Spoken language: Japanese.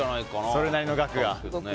それなりの額がと。